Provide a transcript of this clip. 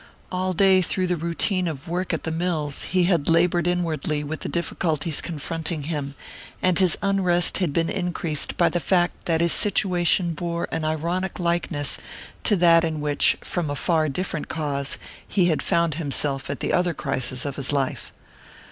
All day, through the routine of work at the mills, he had laboured inwardly with the difficulties confronting him; and his unrest had been increased by the fact that his situation bore an ironic likeness to that in which, from a far different cause, he had found himself at the other crisis of his life.